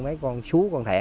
mấy con sú con thẻ